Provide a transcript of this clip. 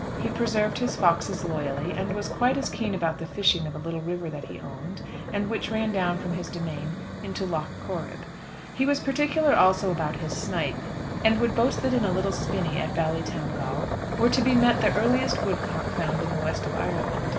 He preserved his foxes loyally, and was quite as keen about the fishing of a little river that he owned, and which ran down from his demesne into Lough Corrib. He was particular also about his snipe, and would boast that in a little spinney at Ballytowngal were to be met the earliest woodcock found in the West of Ireland.